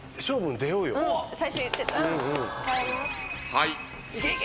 はい。